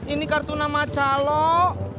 ini kartu nama calok